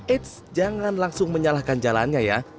eits jangan langsung menyalahkan jalannya ya